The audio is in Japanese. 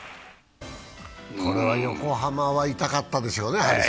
これは横浜は痛かったでしょうね？